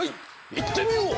いってみよう！